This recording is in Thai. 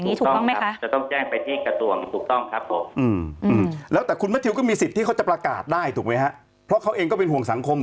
เป็นข้อมูลใช่ครับก็เป็นข้อมูลส่วนบุคคลนะครับเขาสามารถที่จะบอกใครได้ว่าเขาเป็นโรคอะไรครับผม